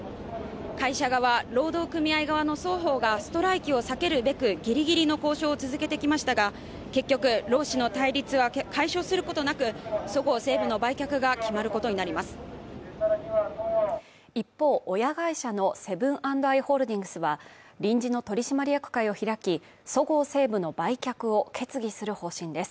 会社側労働組合側の双方がストライキを避けるべくぎりぎりの交渉を続けてきましたが結局労使の対立は解消することなくそごう・西武の売却が決まる事になります一方親会社のセブン＆アイ・ホールディングスは臨時の取締役会を開きそごう・西武の売却を決議する方針です